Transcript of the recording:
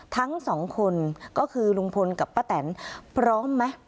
ทั้งสองคนก็คือลุงพลกับป้าแตนพร้อมไหม